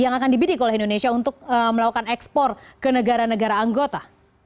yang akan dibidik oleh indonesia untuk melakukan ekspor ke negara negara anggota